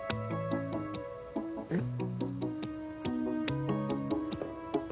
えっ？